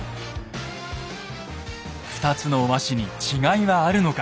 ２つの和紙に違いはあるのか。